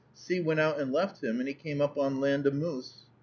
Sea went out and left him, and he came up on land a moose.